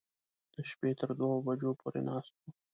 د شپې تر دوو بجو پورې ناست و.